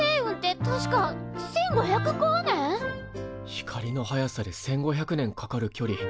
光の速さで１，５００年かかる距離。